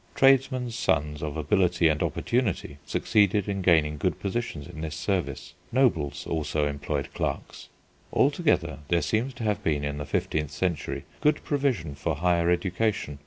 Tradesmen's sons of ability and opportunity succeeded in gaining good positions in this service. Nobles also employed clerks. Altogether there seems to have been in the fifteenth century good provision for higher education.